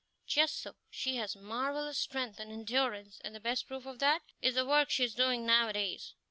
"Just so; she has marvellous strength and endurance, and the best proof of that, is the work she is doing nowadays.